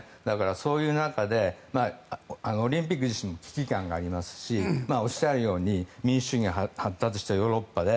そういう中でオリンピック自身も危機感がありますしおっしゃるように民主主義が発達したヨーロッパで